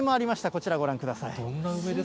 こちらご覧ください。